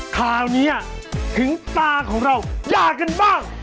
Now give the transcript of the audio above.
คราวนี้ถึงตาของเรายากกันบ้าง